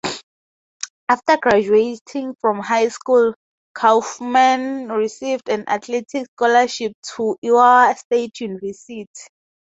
After graduating from high school, Kaufman received an athletic scholarship to Iowa State University.